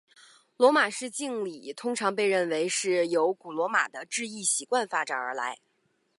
罗马式敬礼通常被认为是由古罗马的致意习惯发展而来。